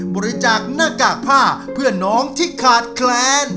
บริจาคหน้ากากผ้าเพื่อนน้องที่ขาดแคลน